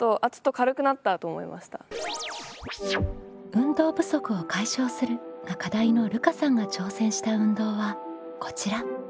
「運動不足を解消する」が課題のるかさんが挑戦した運動はこちら。